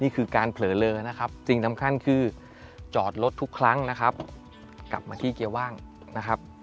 นี่คือการเผลอเลอนะครับสิ่งสำคัญคือจอดรถทุกครั้งนะครับกลับมาที่เกียร์ว่างนะครับ